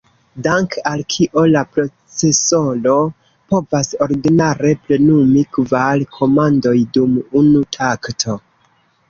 Dank’ al kio, la procesoro povas ordinare plenumi kvar komandoj dum unu takto.